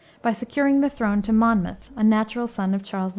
by securing the throne to Monmouth, a natural son of Charles II.